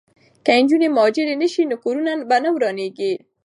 که نجونې مهاجرې نه شي نو کورونه به نه ورانیږي.